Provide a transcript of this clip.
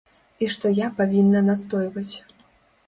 І што я павінна настойваць.